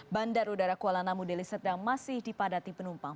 bandar udara kuala namu deliseda masih dipadati penumpang